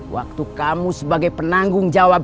waktu kamu sebagai penanggung jawab